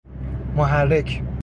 محرک